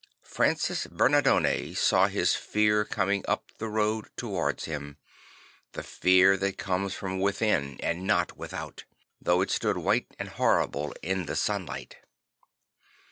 Francis Bemardone saw his fear coming up the road towards him; the fear that comes from within and not without; though it stood white and horrible in the sunlight.